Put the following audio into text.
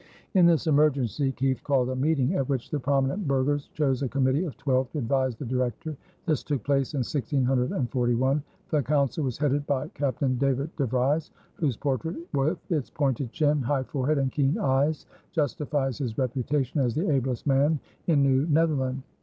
In this emergency Kieft called a meeting at which the prominent burghers chose a committee of twelve to advise the Director. This took place in 1641. The Council was headed by Captain David de Vries, whose portrait with its pointed chin, high forehead, and keen eyes, justifies his reputation as the ablest man in New Netherland.